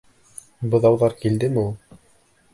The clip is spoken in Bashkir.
Быҙауҙар килдеме ул?